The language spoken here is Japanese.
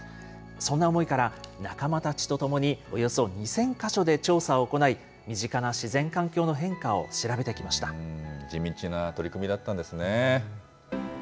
そんな思いから、仲間たちと共に、およそ２０００か所で調査を行い、身近な自然環境の変化を調べてき地道な取り組みだったんですね。